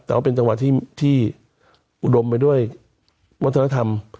แต่ว่าเป็นจังหวัดที่อุดมไปด้วยวัฒนธรรม